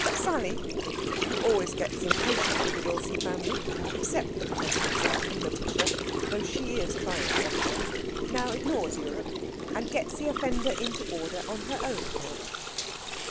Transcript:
Sally, who always gets impatient with the Wilson family, except the Professor himself and Lætitia though she is trying sometimes now ignores Europe, and gets the offender into order on her own account.